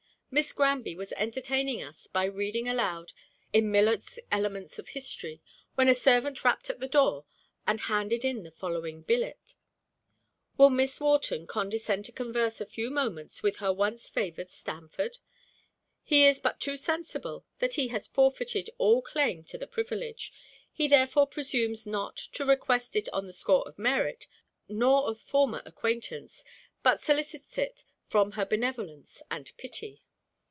Miss Granby was entertaining us by reading aloud in Millot's Elements of History, when a servant rapped at the door, and handed in the following billet: "Will Miss Wharton condescend to converse a few moments with her once favored Sanford? He is but too sensible that he has forfeited all claim to the privilege. He therefore presumes not to request it on the score of merit, nor of former acquaintance, but solicits it from her benevolence and pity."